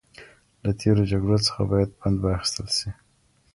له تېرو جګړو څخه باید پند واخیستل سي.